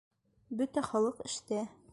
Бөтә халыҡ эштә.